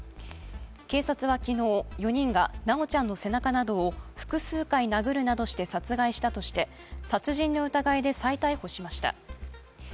警察は昨日、４人が修ちゃんの背中を複数回殴るなどして殺害したとして、殺人の疑いで再逮捕しました。